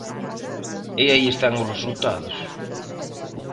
E aí están os resultados.